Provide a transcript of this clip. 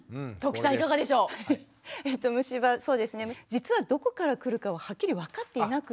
実はどこから来るかははっきり分かっていなくって。